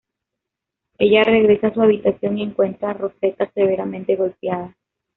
Ella regresa a su habitación y encuentra a Rosetta severamente golpeada.